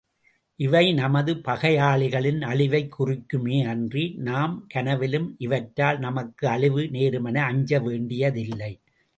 இவை நமது பகையாளிகளின் அழிவைக் குறிக்குமே அன்றி, நாம் கனவிலும் இவற்றால் நமக்கு அழிவு நேருமென அஞ்ச வேண்டியதில்லை!